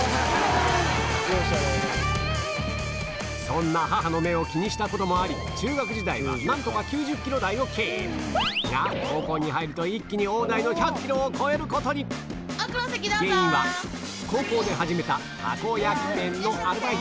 そんな母の目を気にしたこともあり中学時代は何とか９０ｋｇ台をキープ！が高校に入ると一気に大台の１００ｋｇを超えることに高校で始めた